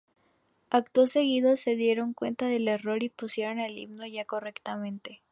Acto seguido, se dieron cuenta del error y pusieron el himno ya correctamente.